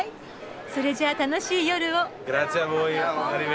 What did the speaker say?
それじゃあ楽しい夜を。